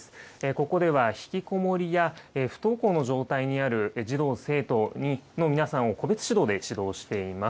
ここでは引きこもりや不登校の状態にある児童・生徒の皆さんを個別指導で指導しています。